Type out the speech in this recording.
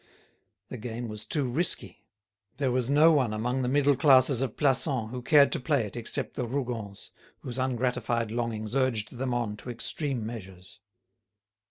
The game was too risky. There was no one among the middle classes of Plassans who cared to play it except the Rougons, whose ungratified longings urged them on to extreme measures.